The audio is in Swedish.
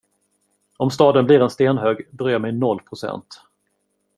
Om staden blir en stenhög bryr jag mig noll procent.